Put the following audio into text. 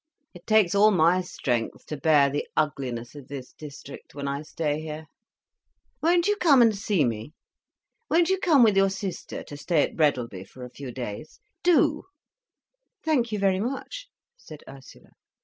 It takes all my strength, to bear the ugliness of this district, when I stay here. Won't you come and see me? Won't you come with your sister to stay at Breadalby for a few days?—do—" "Thank you very much," said Ursula.